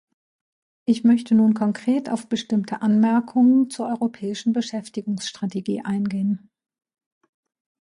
Ich möchte nun konkret auf bestimmte Anmerkungen zur europäischen Beschäftigungsstrategie eingehen.